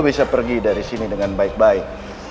bisa pergi dari sini dengan baik baik